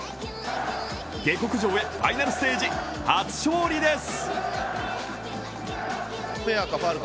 下克上へファイナルステージ初勝利です。